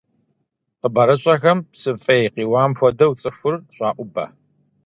Хъыбарыщӏэхэм псы фӏей къиуам хуэдэу цӏыхур щӏаӏубэ.